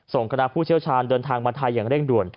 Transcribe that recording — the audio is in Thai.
คณะผู้เชี่ยวชาญเดินทางมาไทยอย่างเร่งด่วน